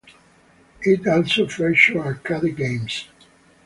It also featured arcade games.